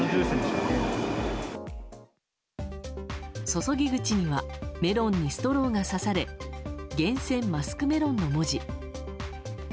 注ぎ口にはメロンにストローがさされ「厳選マスクメロン」の文字。